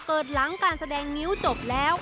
หลังการแสดงงิ้วจบแล้ว